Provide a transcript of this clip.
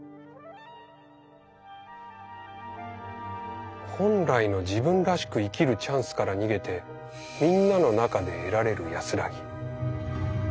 それは本来の自分らしく生きるチャンスから逃げてみんなの中で得られる安らぎ。